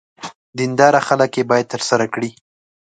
دیندار خلک یې باید ترسره کړي.